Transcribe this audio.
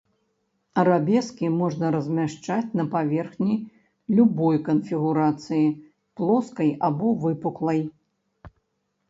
Арабескі можна размяшчаць на паверхні любой канфігурацыі, плоскай або выпуклай.